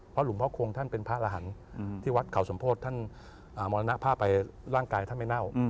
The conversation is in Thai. หลวงพ่อคงท่านเป็นพระรหันต์ที่วัดเขาสมโพธิท่านมรณภาพไปร่างกายท่านไม่เน่า